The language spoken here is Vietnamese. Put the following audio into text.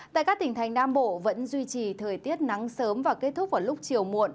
tại các tỉnh thành nam bộ vẫn duy trì thời tiết nắng sớm và kết thúc vào lúc chiều muộn